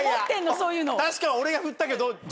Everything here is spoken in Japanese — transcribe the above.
そういうの。